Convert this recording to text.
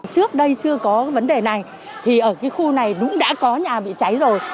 trước đây chưa có vấn đề này thì ở cái khu này cũng đã có nhà bị cháy rồi